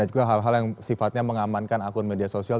dan juga hal hal yang sifatnya mengamankan akun media sosial